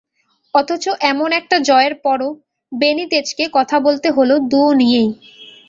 অথচ এমন একটা জয়ের পরও বেনিতেজকে কথা বলতে হলো দুয়ো নিয়েই।